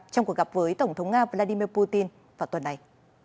trong cuộc gặp với tổng thống nga vladimir putin vào tuần này